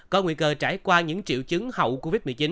có nguy cơ trải qua những triệu chứng hậu covid một mươi chín